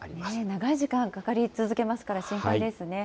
長い時間、かかり続けますから心配ですね。